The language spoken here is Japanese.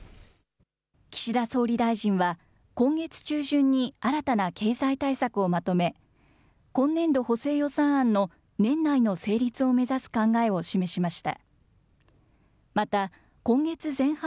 岸田総理大臣は今月中旬に新たな経済対策をまとめ、今年度補正予算案の年内の成立を目指す考えを示しました。